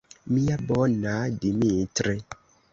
Mia bona Dimitri!